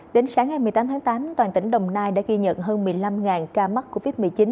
đến sáng ngày một mươi tám tháng tám toàn tỉnh đồng nai đã ghi nhận hơn một mươi năm ca mắc covid một mươi chín